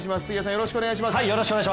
よろしくお願いします。